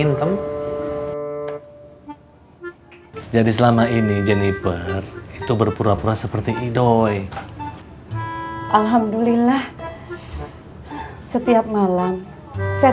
intem jadi selama ini jenniper itu berpura pura seperti idoy alhamdulillah setiap malam saya